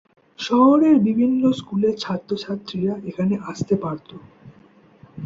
শহরের বিভিন্ন স্কুলের ছাত্র-ছাত্রীরা এখানে আসতে পারতো।